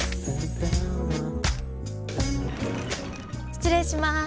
失礼します。